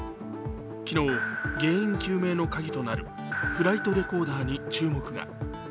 昨日、原因究明のカギとなるフライトレコーダーに注目が。